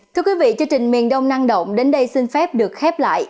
thưa quý vị chương trình miền đông năng động đến đây xin phép được khép lại